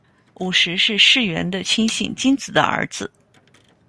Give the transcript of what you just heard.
武石是柿原的亲信金子的儿子。